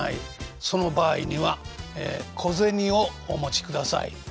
その場合には小銭をお持ちください。